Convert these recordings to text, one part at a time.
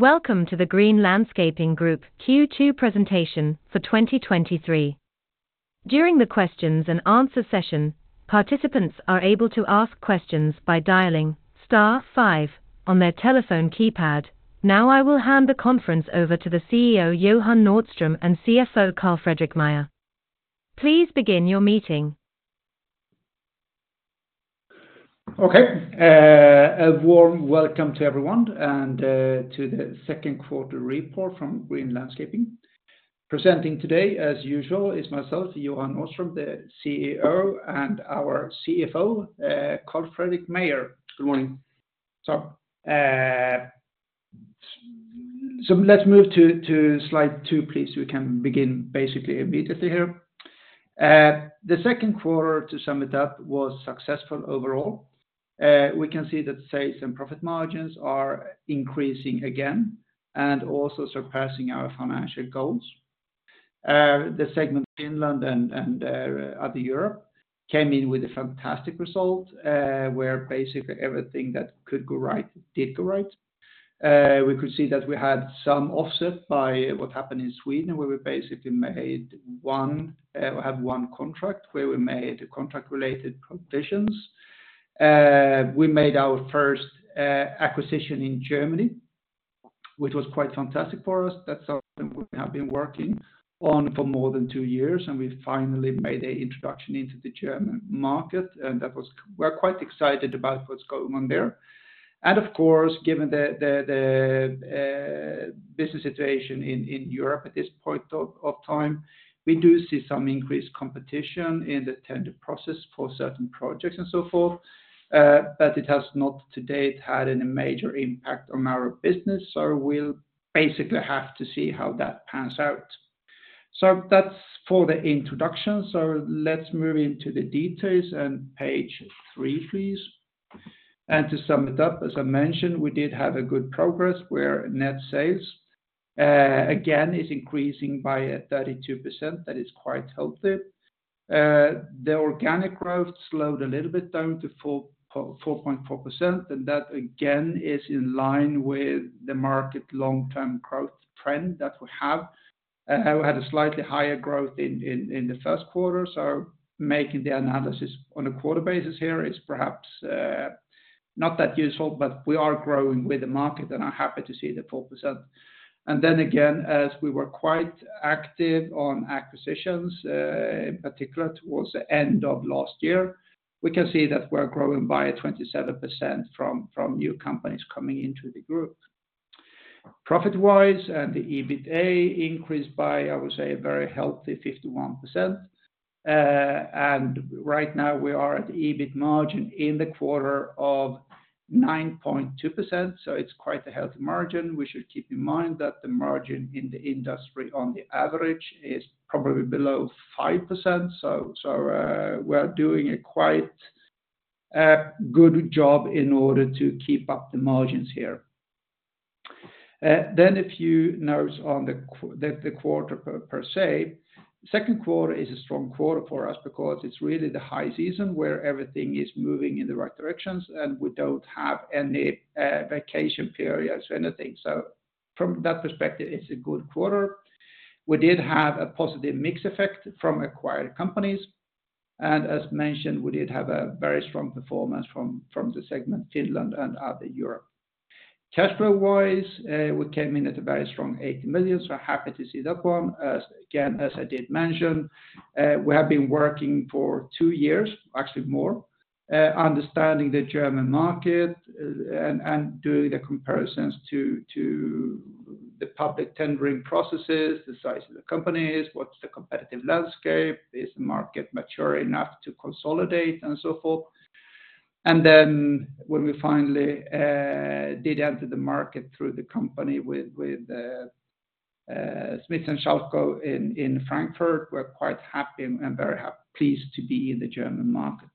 Welcome to the Green Landscaping Group Q2 presentation for 2023. During the questions and answer session, participants are able to ask questions by dialing star five on their telephone keypad. Now, I will hand the conference over to the CEO, Johan Nordström, and CFO, Carl-Fredrik Meijer. Please begin your meeting. Okay. A warm welcome to everyone and to the second quarter report from Green Landscaping. Presenting today, as usual, is myself, Johan Nordström, the CEO, and our CFO, Carl-Fredrik Meijer. Good morning. So let's move to Slide 2, please. We can begin basically immediately here. The second quarter, to sum it up, was successful overall. We can see that sales and profit margins are increasing again and also surpassing our financial goals. The segment Finland and other Europe came in with a fantastic result, where basically everything that could go right, did go right. We could see that we had some offset by what happened in Sweden, where we basically had one contract, where we made contract-related provisions. We made our first acquisition in Germany, which was quite fantastic for us. That's something we have been working on for more than 2 years, and we finally made an introduction into the German market, and that was. We're quite excited about what's going on there. Of course, given the business situation in Europe at this point of time, we do see some increased competition in the tender process for certain projects and so forth, but it has not to date had any major impact on our business. We'll basically have to see how that pans out. That's for the introduction. Let's move into the details and page three, please. To sum it up, as I mentioned, we did have a good progress where net sales again is increasing by 32%. That is quite healthy. The organic growth slowed a little bit down to 4.4%, and that again is in line with the market long-term growth trend that we have. We had a slightly higher growth in the first quarter, so making the analysis on a quarter basis here is perhaps not that useful, but we are growing with the market, and I'm happy to see the 4%. And then again, as we were quite active on acquisitions, in particular, towards the end of last year, we can see that we're growing by 27% from new companies coming into the group. Profit-wise, and the EBITDA increased by, I would say, a very healthy 51%. And right now, we are at the EBIT margin in the quarter of 9.2%, so it's quite a healthy margin. We should keep in mind that the margin in the industry on the average is probably below 5%. So, we are doing a quite good job in order to keep up the margins here. Then a few notes on the quarter per se. Second quarter is a strong quarter for us because it's really the high season where everything is moving in the right directions, and we don't have any vacation periods or anything. So from that perspective, it's a good quarter. We did have a positive mix effect from acquired companies, and as mentioned, we did have a very strong performance from the segment, Finland and other Europe. Cash flow-wise, we came in at a very strong 80 million, so happy to see that one. Again, as I did mention, we have been working for two years, actually more, understanding the German market and doing the comparisons to the public tendering processes, the size of the companies, what's the competitive landscape, is the market mature enough to consolidate, and so forth. And then when we finally did enter the market through the company with Schmitt & Scalzo in Frankfurt, we're quite happy and very pleased to be in the German market.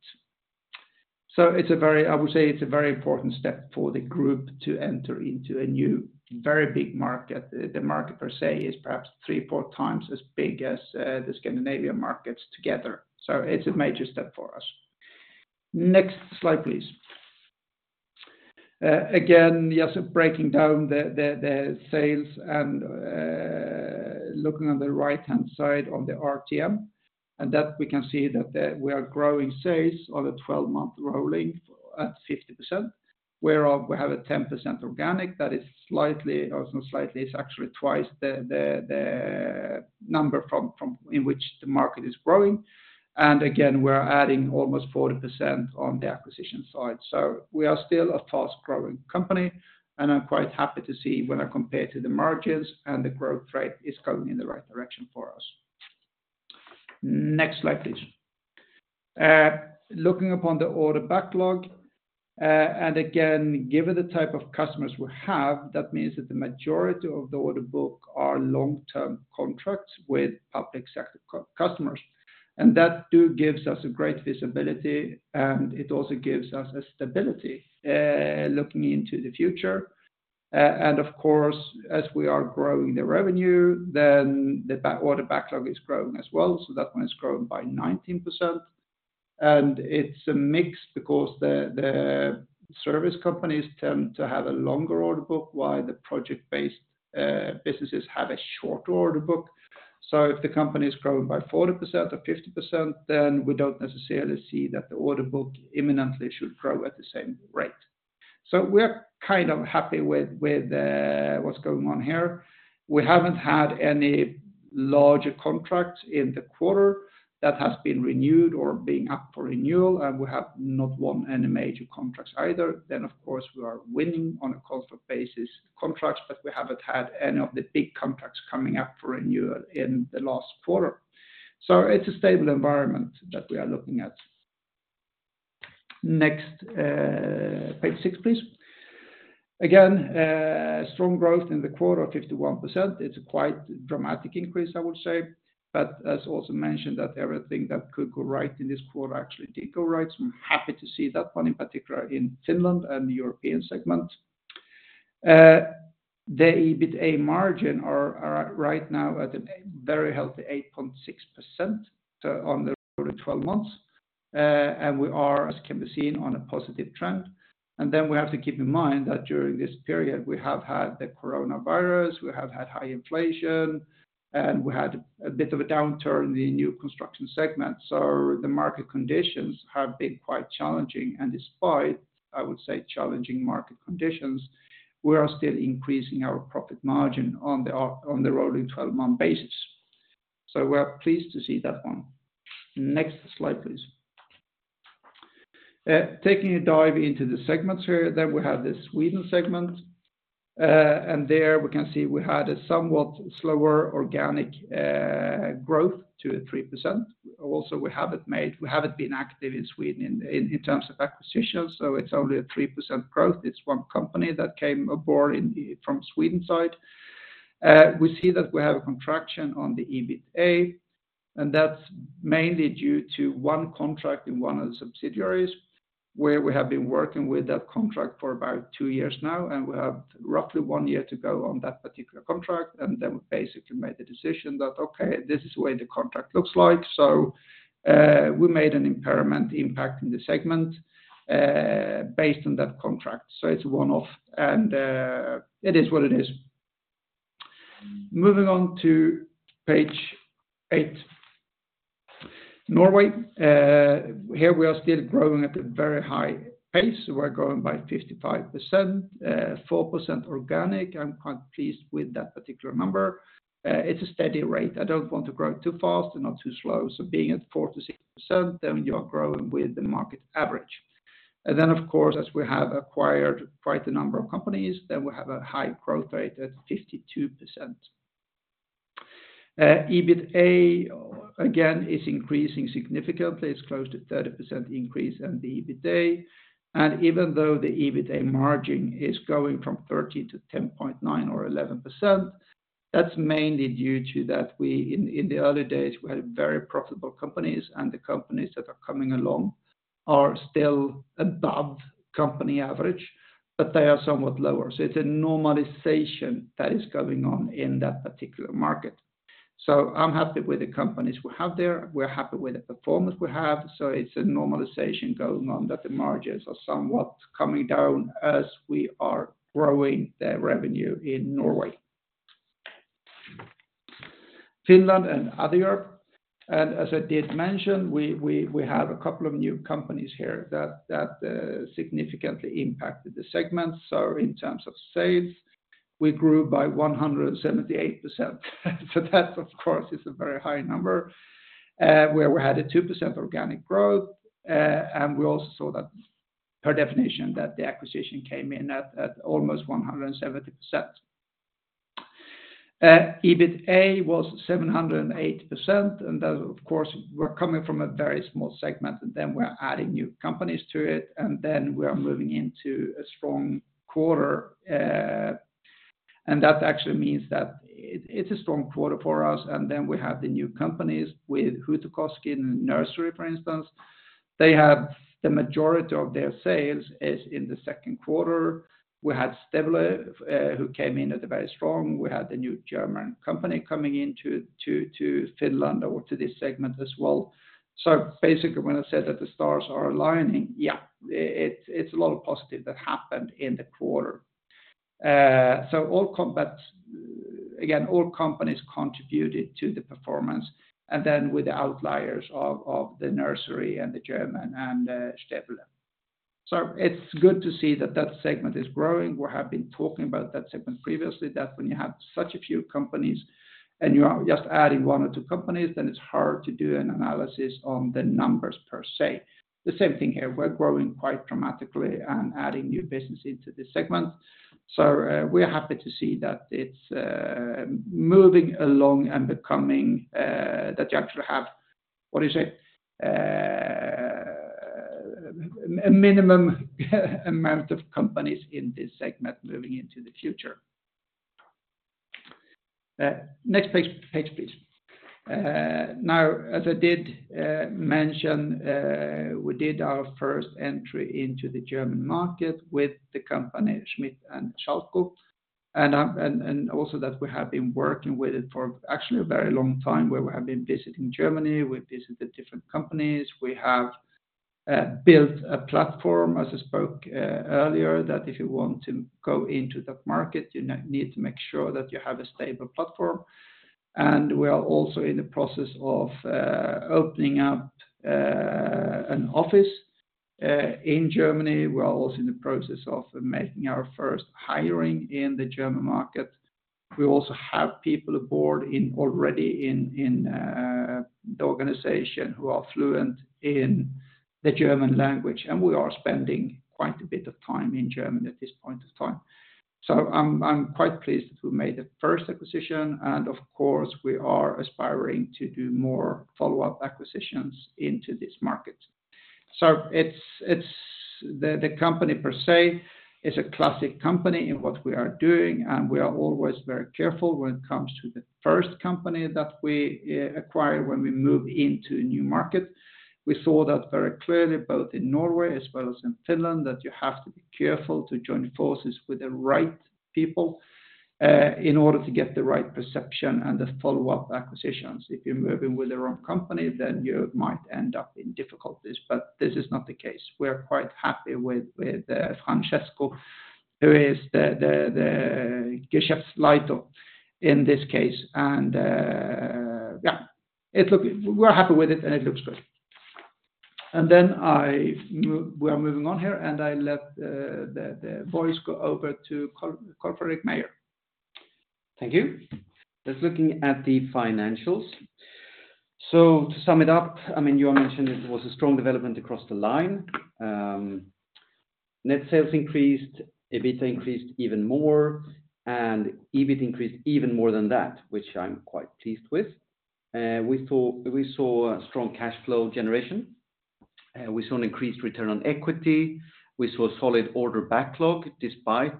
So it's a very—I would say it's a very important step for the group to enter into a new, very big market. The market, per se, is perhaps three, four times as big as the Scandinavian markets together, so it's a major step for us. Next slide, please. Again, just breaking down the sales and looking on the right-hand side on the RTM, and that we can see that we are growing sales on a 12-month rolling at 50%, where we have a 10% organic that is slightly, or not slightly, it's actually twice the number from in which the market is growing. And again, we're adding almost 40% on the acquisition side. So we are still a fast-growing company, and I'm quite happy to see when I compare to the margins and the growth rate is going in the right direction for us. Next slide, please. Looking upon the order backlog, and again, given the type of customers we have, that means that the majority of the order book are long-term contracts with public sector customers. And that does give us a great visibility, and it also gives us a stability, looking into the future. And of course, as we are growing the revenue, then the order backlog is growing as well, so that one is growing by 19%.... And it's a mix because the service companies tend to have a longer order book, while the project-based businesses have a shorter order book. So if the company is growing by 40% or 50%, then we don't necessarily see that the order book imminently should grow at the same rate. So we're kind of happy with what's going on here. We haven't had any larger contracts in the quarter that has been renewed or being up for renewal, and we have not won any major contracts either. Then, of course, we are winning on a constant basis contracts, but we haven't had any of the big contracts coming up for renewal in the last quarter. So it's a stable environment that we are looking at. Next, page six, please. Again, strong growth in the quarter, 51%. It's a quite dramatic increase, I would say, but as also mentioned, that everything that could go right in this quarter actually did go right. So I'm happy to see that one, in particular in Finland and the European segment. The EBITA margin are right now at a very healthy 8.6%, so on the twelve months. And we are, as can be seen, on a positive trend. And then we have to keep in mind that during this period, we have had the coronavirus, we have had high inflation, and we had a bit of a downturn in the new construction segment. So the market conditions have been quite challenging, and despite, I would say, challenging market conditions, we are still increasing our profit margin on the on the rolling 12-month basis. So we are pleased to see that one. Next slide, please. Taking a dive into the segments here, then we have the Sweden segment. And there we can see we had a somewhat slower organic growth to 3%. Also, we haven't been active in Sweden in terms of acquisitions, so it's only a 3% growth. It's one company that came aboard in from Sweden side. We see that we have a contraction on the EBITA, and that's mainly due to one contract in one of the subsidiaries, where we have been working with that contract for about two years now, and we have roughly one year to go on that particular contract, and then we basically made the decision that, okay, this is the way the contract looks like. So, we made an impairment impact in the segment, based on that contract. So it's a one-off, and, it is what it is. Moving on to page 8. Norway, here we are still growing at a very high pace. We're growing by 55%, 4% organic. I'm quite pleased with that particular number. It's a steady rate. I don't want to grow too fast and not too slow, so being at 4%-6%, then you are growing with the market average. And then, of course, as we have acquired quite a number of companies, then we have a high growth rate at 52%. EBITA, again, is increasing significantly. It's close to 30% increase in the EBITA. And even though the EBITA margin is going from 30% to 10.9% or 11%, that's mainly due to that in the early days, we had very profitable companies, and the companies that are coming along are still above company average, but they are somewhat lower. So it's a normalization that is going on in that particular market. So I'm happy with the companies we have there. We're happy with the performance we have. So it's a normalization going on, that the margins are somewhat coming down as we are growing the revenue in Norway, Finland and other Europe, and as I did mention, we have a couple of new companies here that significantly impacted the segment. So in terms of sales, we grew by 178%. So that, of course, is a very high number, where we had a 2% organic growth, and we also saw that, per definition, that the acquisition came in at almost 170%. EBITA was 708%, and that, of course, we're coming from a very small segment, and then we're adding new companies to it, and then we are moving into a strong quarter. And that actually means that it's a strong quarter for us, and then we have the new companies with Huutokoski Nursery, for instance. They have the majority of their sales is in the second quarter. We had Stebule, who came in at the very strong. We had the new German company coming into Finland or to this segment as well. So basically, when I said that the stars are aligning, yeah, it's a lot of positive that happened in the quarter. So, but again, all companies contributed to the performance, and then with the outliers of the nursery and the German and Stebule. So it's good to see that that segment is growing. We have been talking about that segment previously, that when you have such a few companies and you are just adding one or two companies, then it's hard to do an analysis on the numbers per se. The same thing here, we're growing quite dramatically and adding new business into this segment. So we are happy to see that it's moving along and becoming that you actually have, what is it? A minimum amount of companies in this segment moving into the future. Next page, please. Now, as I did mention, we did our first entry into the German market with the company, Schmitt & Scalzo. And also that we have been working with it for actually a very long time, where we have been visiting Germany. We visited different companies. We have built a platform, as I spoke earlier, that if you want to go into the market, you need to make sure that you have a stable platform. We are also in the process of opening up an office in Germany. We are also in the process of making our first hiring in the German market. We also have people on board already in the organization who are fluent in the German language, and we are spending quite a bit of time in Germany at this point of time. I'm quite pleased that we made the first acquisition, and of course, we are aspiring to do more follow-up acquisitions into this market. So it's the company per se is a classic company in what we are doing, and we are always very careful when it comes to the first company that we acquire when we move into a new market. We saw that very clearly, both in Norway as well as in Finland, that you have to be careful to join forces with the right people in order to get the right perception and the follow-up acquisitions. If you're moving with the wrong company, then you might end up in difficulties, but this is not the case. We're quite happy with Francesca, who is the Geschäftsleiter in this case, and yeah, we're happy with it, and it looks good. And then we are moving on here, and I let the voice go over to Carl-Fredrik Meijer. Thank you. Just looking at the financials. So to sum it up, I mean, you are mentioning it was a strong development across the line. Net sales increased, EBITDA increased even more, and EBIT increased even more than that, which I'm quite pleased with. We saw a strong cash flow generation. We saw an increased return on equity. We saw solid order backlog, despite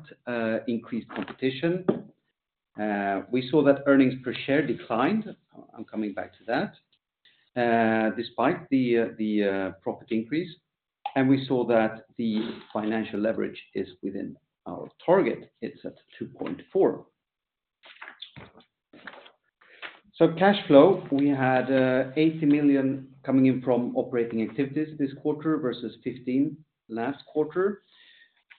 increased competition. We saw that earnings per share declined. I'm coming back to that, despite the profit increase, and we saw that the financial leverage is within our target. It's at 2.4. So cash flow, we had 80 million coming in from operating activities this quarter versus 15 million last quarter,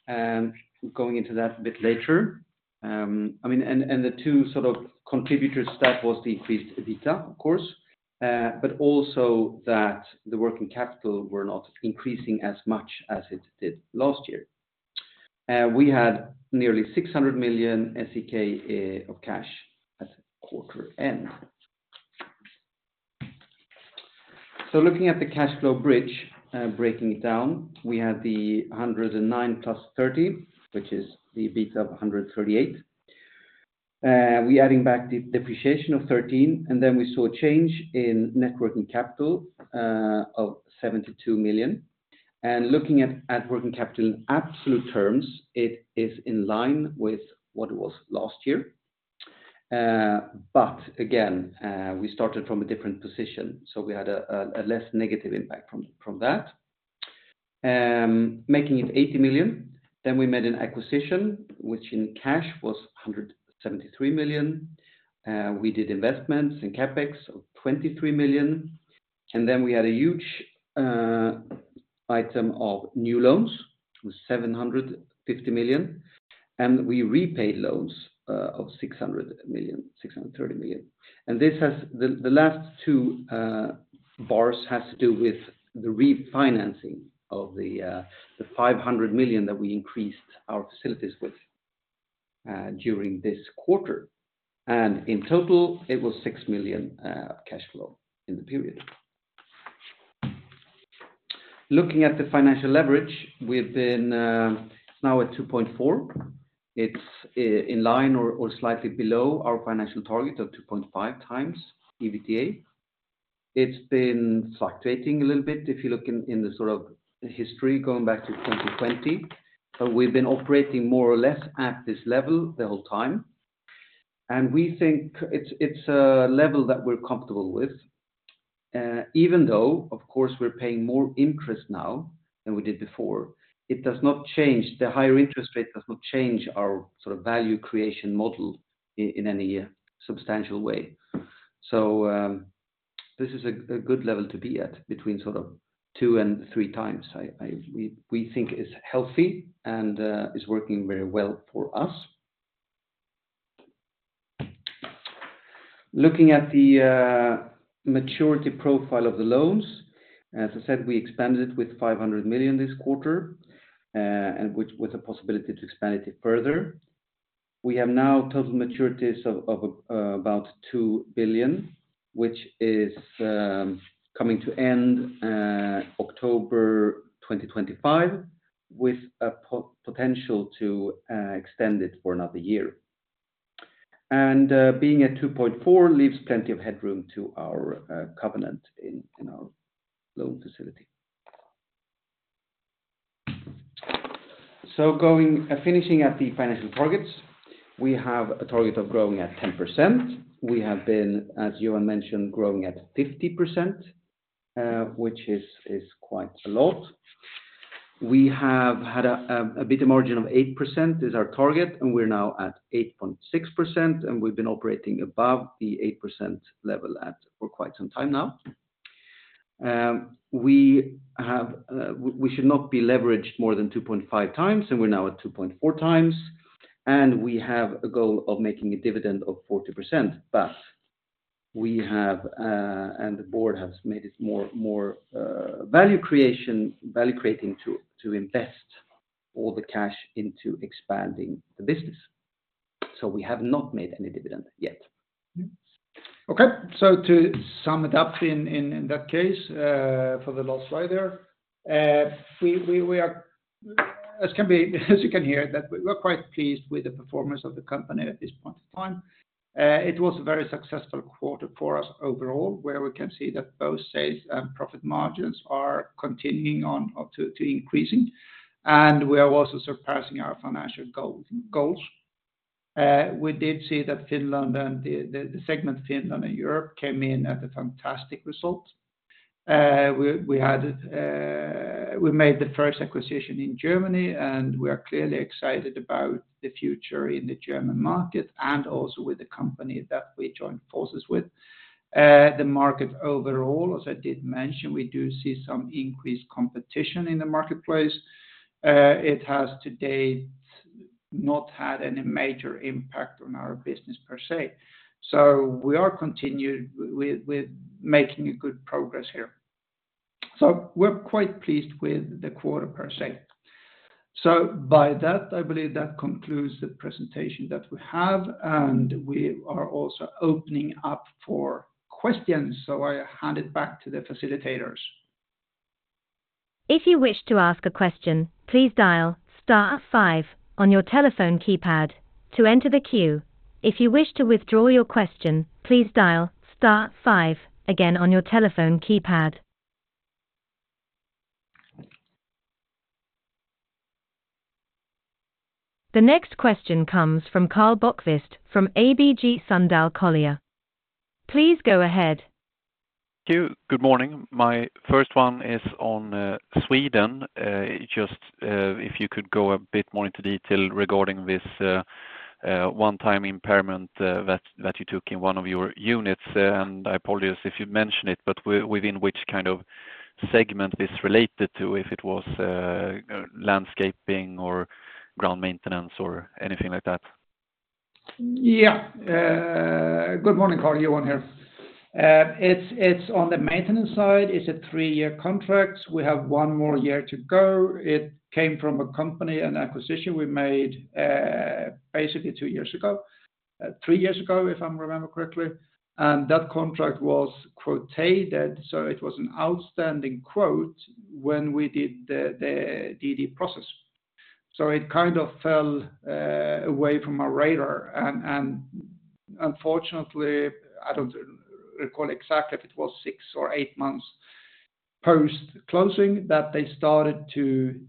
and going into that a bit later. I mean, and the two sort of contributors to that was the increased EBITDA, of course, but also that the working capital were not increasing as much as it did last year. We had nearly 600 million SEK of cash at quarter end. So looking at the cash flow bridge, breaking it down, we had the 109 + 30, which is the EBITDA of 138. We adding back the depreciation of 13, and then we saw a change in net working capital of 72 million. And looking at working capital in absolute terms, it is in line with what it was last year. But again, we started from a different position, so we had a less negative impact from that, making it 80 million. Then we made an acquisition, which in cash was 173 million. We did investments in CapEx of 23 million, and then we had a huge item of new loans with 750 million, and we repaid loans of 630 million. And this has—the last two bars has to do with the refinancing of the five hundred million that we increased our facilities with during this quarter. And in total, it was 6 million cash flow in the period. Looking at the financial leverage, we've been now at 2.4. It's in line or slightly below our financial target of 2.5x EBITA. It's been fluctuating a little bit if you look in the sort of history going back to 2020. But we've been operating more or less at this level the whole time, and we think it's, it's a level that we're comfortable with. Even though, of course, we're paying more interest now than we did before, it does not change, the higher interest rate does not change our sort of value creation model in, in any substantial way. So, this is a, a good level to be at between sort of 2 and 3 times. I, I, we, we think it's healthy and, is working very well for us. Looking at the, maturity profile of the loans, as I said, we expanded it with 500 million this quarter, and which with a possibility to expand it further. We have now total maturities of about 2 billion, which is coming to end October 2025, with a potential to extend it for another year. Being at 2.4 billion leaves plenty of headroom to our covenant in our loan facility. Finishing at the financial targets, we have a target of growing at 10%. We have been, as Johan mentioned, growing at 50%, which is quite a lot. We have had a bit of margin of 8% is our target, and we're now at 8.6%, and we've been operating above the 8% level for quite some time now. We should not be leveraged more than 2.5 times, and we're now at 2.4 times, and we have a goal of making a dividend of 40%. But we have, and the board has made it more value creating to invest all the cash into expanding the business. So we have not made any dividend yet. Okay. So to sum it up in that case, for the last slide there, we are, as you can hear, that we're quite pleased with the performance of the company at this point in time. It was a very successful quarter for us overall, where we can see that both sales and profit margins are continuing on up to increasing, and we are also surpassing our financial goals. We did see that Finland and the segment Finland and Europe came in at a fantastic result. We had, we made the first acquisition in Germany, and we are clearly excited about the future in the German market and also with the company that we joined forces with. The market overall, as I did mention, we do see some increased competition in the marketplace. It has to date not had any major impact on our business per se, so we are continued with making good progress here. So we're quite pleased with the quarter per se. So by that, I believe that concludes the presentation that we have, and we are also opening up for questions. So I hand it back to the facilitators. If you wish to ask a question, please dial star five on your telephone keypad to enter the queue. If you wish to withdraw your question, please dial star five again on your telephone keypad. The next question comes from Karl Bokvist from ABG Sundal Collier. Please go ahead. Thank you. Good morning. My first one is on Sweden. Just if you could go a bit more into detail regarding this one-time impairment that you took in one of your units, and I apologize if you mentioned it, but within which kind of segment this related to, if it was landscaping or ground maintenance or anything like that? Yeah. Good morning, Carl. Johan here. It's on the maintenance side. It's a three-year contract. We have one more year to go. It came from a company, an acquisition we made, basically, two years ago, three years ago, if I remember correctly, and that contract was quotated, so it was an outstanding quote when we did the DD process. So it kind of fell away from our radar, and unfortunately, I don't recall exactly if it was six or eight months post-closing that they started to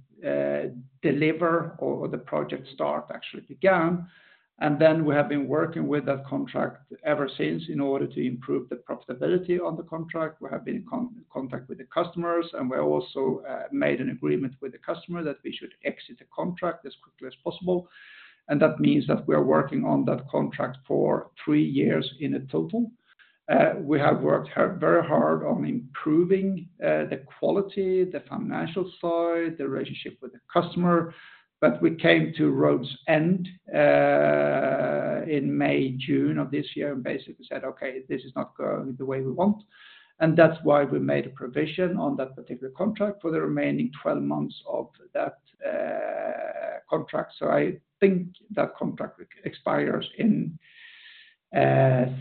deliver or the project start actually began. And then we have been working with that contract ever since in order to improve the profitability on the contract. We have been in contact with the customers, and we also made an agreement with the customer that we should exit the contract as quickly as possible, and that means that we are working on that contract for three years in a total. We have worked very hard on improving the quality, the financial side, the relationship with the customer, but we came to road's end in May, June of this year, and basically said, "Okay, this is not going the way we want." And that's why we made a provision on that particular contract for the remaining 12 months of that contract. So I think that contract expires in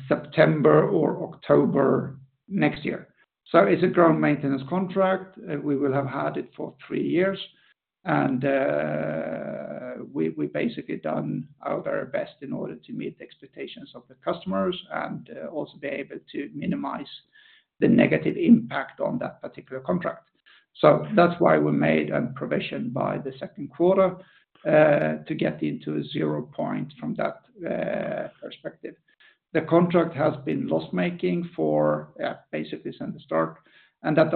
September or October next year. So it's a ground maintenance contract. We will have had it for three years, and we basically done our very best in order to meet the expectations of the customers and also be able to minimize the negative impact on that particular contract. So that's why we made a provision by the second quarter to get into a zero point from that perspective. The contract has been loss-making for basically since the start, and that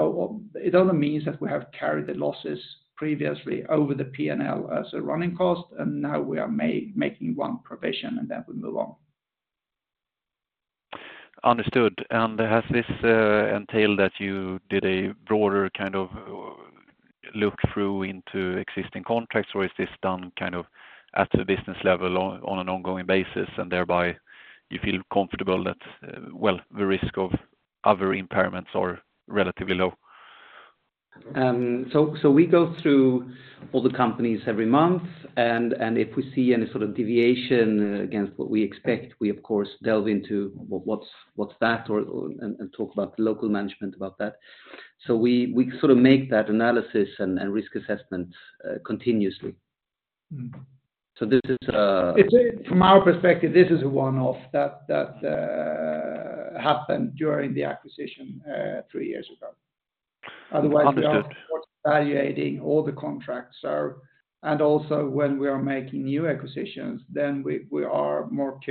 it only means that we have carried the losses previously over the P&L as a running cost, and now we are making one provision, and then we move on. Understood. And has this entailed that you did a broader kind of look through into existing contracts, or is this done kind of at the business level on an ongoing basis, and thereby you feel comfortable that, well, the risk of other impairments are relatively low? So, we go through all the companies every month, and if we see any sort of deviation against what we expect, we of course delve into what's that, and talk about the local management about that. So we sort of make that analysis and risk assessments continuously. Mm. So this is... It's, from our perspective, this is a one-off that happened during the acquisition three years ago. Understood. Otherwise, we are evaluating all the contracts. And also, when we are making new acquisitions, then we missed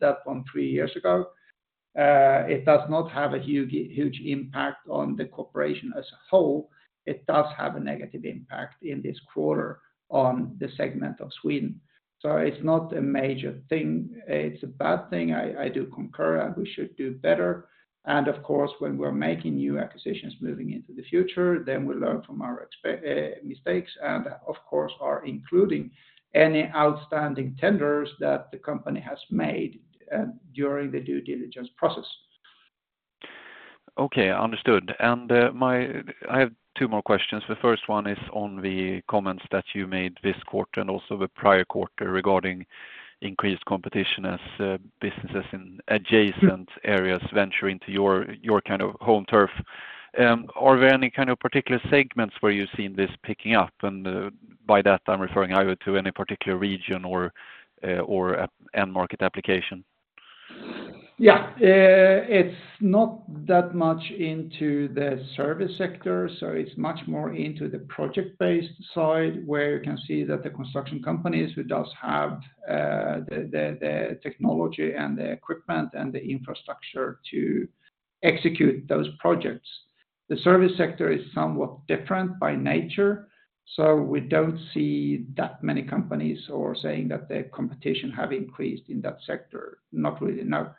that one three years ago. It does not have a huge, huge impact on the corporation as a whole. It does have a negative impact in this quarter on the segment of Sweden. So it's not a major thing. It's a bad thing. I do concur, and we should do better. And of course, when we're making new acquisitions moving into the future, then we learn from our mistakes, and of course, are including any outstanding tenders that the company has made during the due diligence process. Okay, understood. I have two more questions. The first one is on the comments that you made this quarter, and also the prior quarter, regarding increased competition as businesses in adjacent areas venture into your kind of home turf. Are there any kind of particular segments where you're seeing this picking up? And, by that, I'm referring either to any particular region or an end market application. Yeah. It's not that much into the service sector, so it's much more into the project-based side, where you can see that the construction companies who does have the technology and the equipment and the infrastructure to execute those projects. The service sector is somewhat different by nature, so we don't see that many companies or saying that their competition have increased in that sector. Not really, no.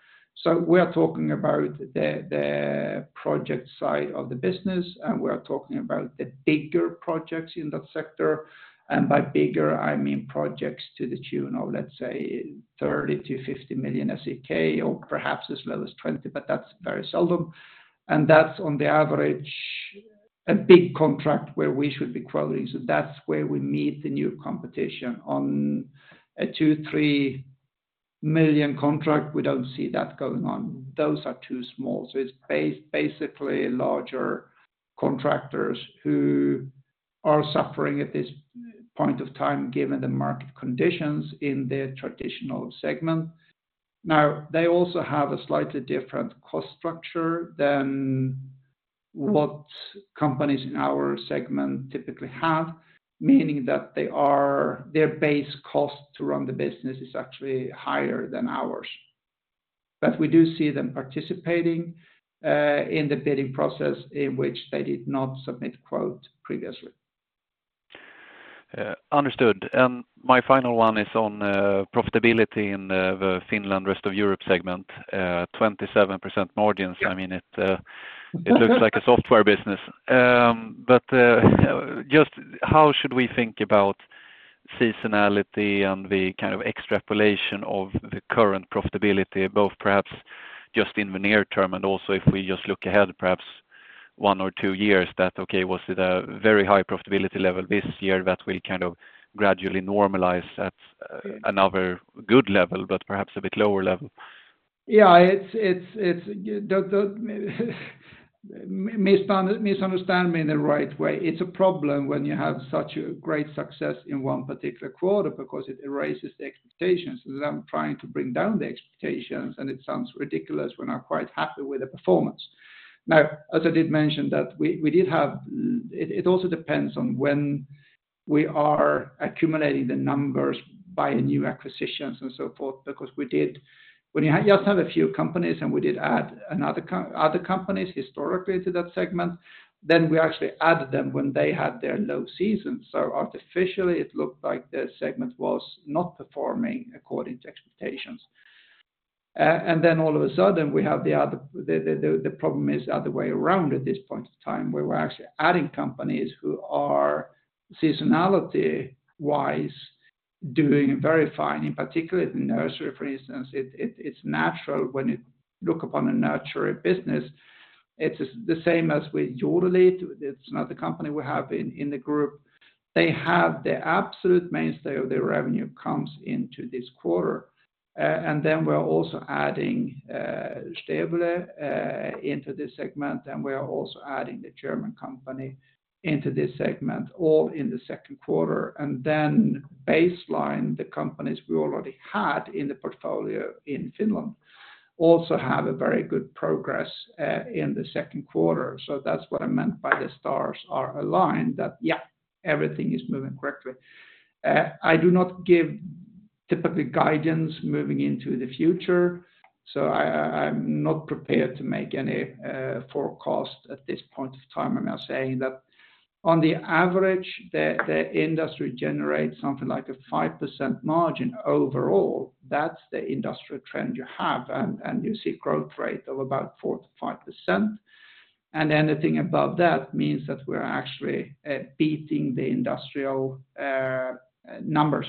So we are talking about the project side of the business, and we are talking about the bigger projects in that sector. And by bigger, I mean projects to the tune of, let's say, 30 million-50 million SEK, or perhaps as low as 20, but that's very seldom. And that's on the average, a big contract where we should be quoting. So that's where we meet the new competition. On a 2-3 million contract, we don't see that going on. Those are too small. So it's basically larger contractors who are suffering at this point of time, given the market conditions in their traditional segment. Now, they also have a slightly different cost structure than what companies in our segment typically have, meaning that their base cost to run the business is actually higher than ours. But we do see them participating in the bidding process in which they did not submit quote previously. Understood. My final one is on profitability in the Finland, rest of Europe segment, 27% margins. Yeah. I mean, it looks like a software business. But just how should we think about seasonality and the kind of extrapolation of the current profitability, both perhaps just in the near term, and also if we just look ahead, perhaps one or two years, was it a very high profitability level this year that will kind of gradually normalize at another good level, but perhaps a bit lower level? Yeah, misunderstand me in the right way. It's a problem when you have such a great success in one particular quarter because it raises the expectations, as I'm trying to bring down the expectations, and it sounds ridiculous, we're not quite happy with the performance. Now, as I did mention, that we did have it also depends on when we are accumulating the numbers by new acquisitions and so forth, because when you just have a few companies, and we did add other companies historically to that segment, then we actually added them when they had their low season. So artificially, it looked like the segment was not performing according to expectations. And then all of a sudden, we have the other, the problem is the other way around at this point in time, where we're actually adding companies who are seasonality-wise, doing very fine. In particular, the nursery, for instance, it's natural when you look upon a nursery business, it's the same as with Jordelit, it's another company we have in the group. They have the absolute mainstay of their revenue comes into this quarter. And then we're also adding Stebule into this segment, and we are also adding the German company into this segment, all in the second quarter. And then baseline, the companies we already had in the portfolio in Finland, also have a very good progress in the second quarter. So that's what I meant by the stars are aligned, everything is moving correctly. I do not give typically guidance moving into the future, so I'm not prepared to make any forecast at this point of time. I'm now saying that on the average, the industry generates something like a 5% margin overall. That's the industrial trend you have, and you see growth rate of about 4%-5%. And anything above that means that we're actually beating the industrial numbers.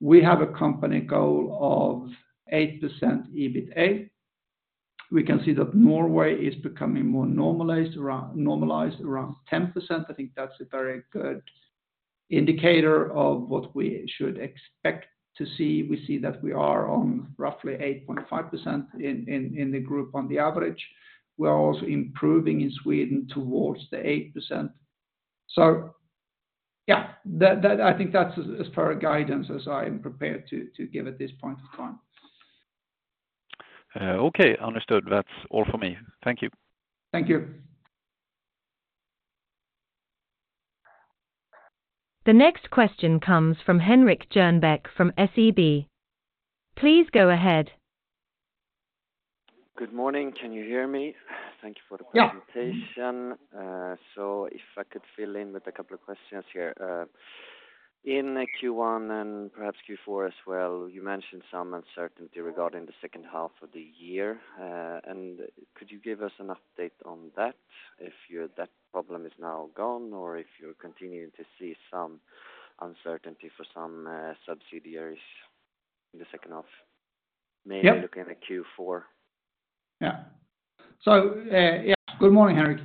We have a company goal of 8% EBITA. We can see that Norway is becoming more normalized around 10%. I think that's a very good indicator of what we should expect to see. We see that we are on roughly 8.5% in the group on the average. We are also improving in Sweden towards the 8%. So yeah, I think that's as far as guidance as I am prepared to give at this point in time. Okay, understood. That's all for me. Thank you. Thank you.... The next question comes from Henrik Jernbeck from SEB. Please go ahead. Good morning. Can you hear me? Thank you for the presentation. Yeah. So if I could fill in with a couple of questions here. In Q1, and perhaps Q4 as well, you mentioned some uncertainty regarding the second half of the year. And could you give us an update on that, if that problem is now gone, or if you're continuing to see some uncertainty for some subsidiaries in the second half? Yep. Mainly looking at Q4. Yeah. So, yeah, good morning, Henrik.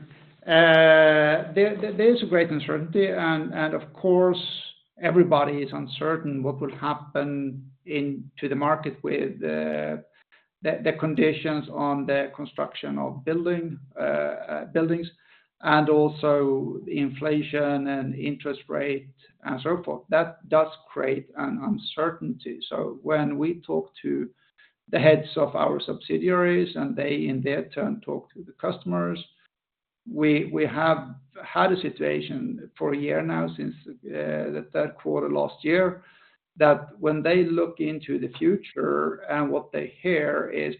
There is a great uncertainty, and, of course, everybody is uncertain what will happen in to the market with the conditions on the construction of building, buildings, and also the inflation and interest rate, and so forth. That does create an uncertainty. So when we talk to the heads of our subsidiaries, and they, in their turn, talk to the customers, we have had a situation for a year now, since the third quarter last year, that when they look into the future and what they hear is,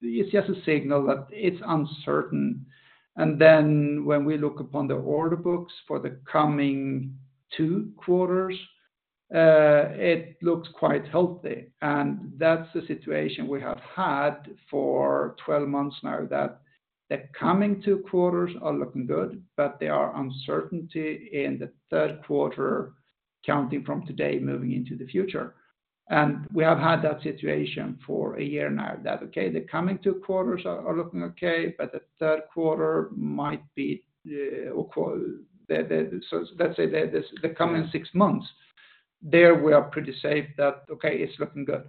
it's just a signal that it's uncertain. Then when we look upon the order books for the coming two quarters, it looks quite healthy, and that's the situation we have had for 12 months now, that the coming two quarters are looking good, but there are uncertainty in the third quarter, counting from today, moving into the future. We have had that situation for a year now, that, okay, the coming two quarters are looking okay, but the third quarter might be. So let's say the coming six months, there we are pretty safe that, okay, it's looking good.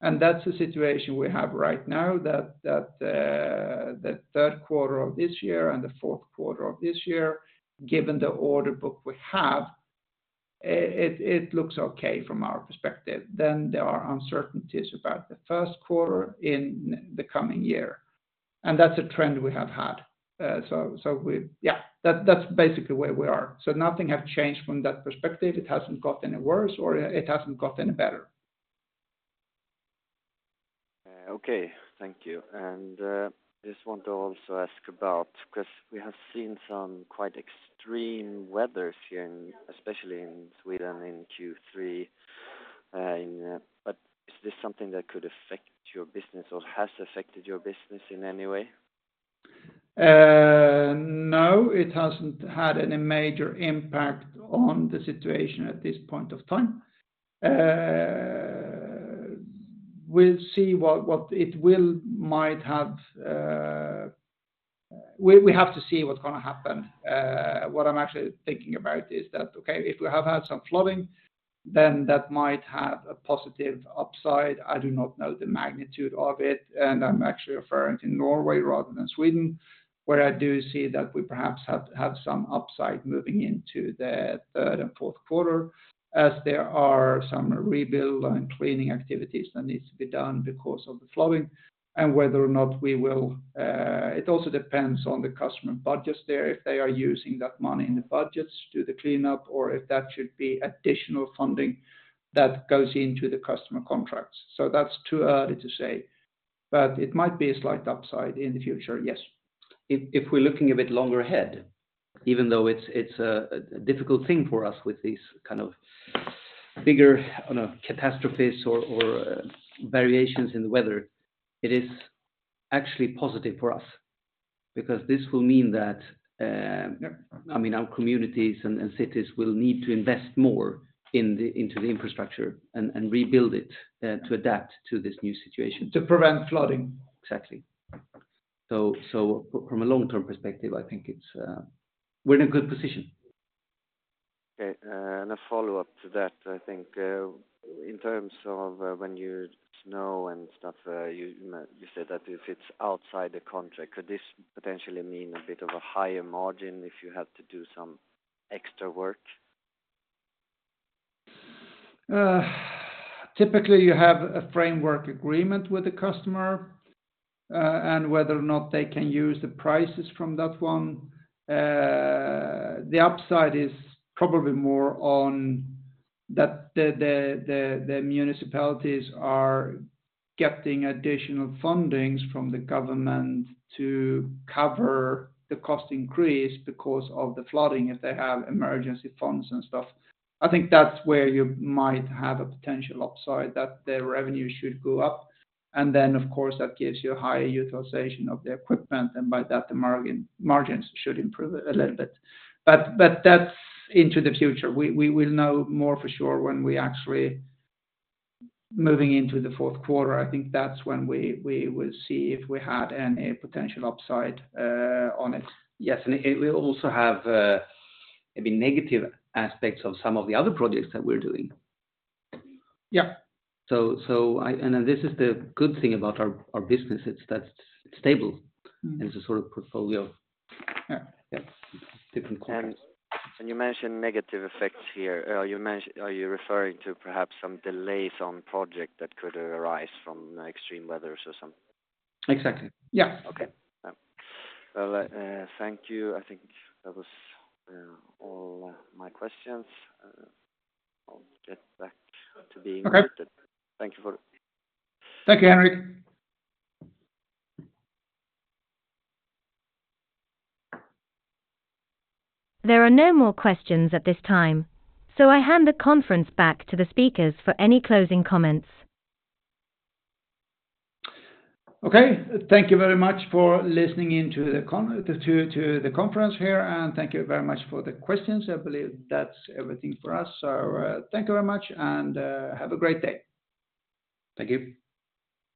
That's the situation we have right now, that the third quarter of this year and the fourth quarter of this year, given the order book we have, it looks okay from our perspective. Then there are uncertainties about the first quarter in the coming year, and that's a trend we have had. So, yeah, that's, that's basically where we are. So nothing has changed from that perspective. It hasn't gotten any worse, or it hasn't gotten any better. Okay, thank you. And just want to also ask about, because we have seen some quite extreme weather here in, especially in Sweden, in Q3. But is this something that could affect your business or has affected your business in any way? No, it hasn't had any major impact on the situation at this point of time. We'll see what it will might have, we have to see what's gonna happen. What I'm actually thinking about is that, okay, if we have had some flooding, then that might have a positive upside. I do not know the magnitude of it, and I'm actually referring to Norway rather than Sweden, where I do see that we perhaps have some upside moving into the third and fourth quarter, as there are some rebuild and cleaning activities that needs to be done because of the flooding, and whether or not we will. It also depends on the customer budgets there, if they are using that money in the budgets to do the cleanup, or if that should be additional funding that goes into the customer contracts. That's too early to say, but it might be a slight upside in the future, yes. If we're looking a bit longer ahead, even though it's a difficult thing for us with these kind of bigger, I don't know, catastrophes or variations in the weather, it is actually positive for us because this will mean that Yep... I mean, our communities and cities will need to invest more into the infrastructure and rebuild it to adapt to this new situation. To prevent flooding. Exactly. So from a long-term perspective, I think it's, we're in a good position. Okay, and a follow-up to that, I think, in terms of when you snow and stuff, you said that if it's outside the contract, could this potentially mean a bit of a higher margin if you have to do some extra work? Typically, you have a framework agreement with the customer, and whether or not they can use the prices from that one. The upside is probably more on that the municipalities are getting additional fundings from the government to cover the cost increase because of the flooding, if they have emergency funds and stuff. I think that's where you might have a potential upside, that their revenue should go up. And then, of course, that gives you a higher utilization of the equipment, and by that, the margin, margins should improve a little bit. But that's into the future. We will know more for sure when we actually moving into the fourth quarter. I think that's when we will see if we had any potential upside on it. Yes, and it will also have maybe negative aspects of some of the other projects that we're doing. Yeah. This is the good thing about our business. It's that it's stable, and it's a sort of portfolio. Yeah. Yes, different quarters. And you mentioned negative effects here. You mention, are you referring to perhaps some delays on project that could arise from extreme weather or something? Exactly. Yes. Okay. Well, thank you. I think that was all my questions. I'll get back to the group. Okay. Thank you for it. Thank you, Henrik. There are no more questions at this time, so I hand the conference back to the speakers for any closing comments. Okay, thank you very much for listening in to the conference here, and thank you very much for the questions. I believe that's everything for us. So, thank you very much, and have a great day. Thank you.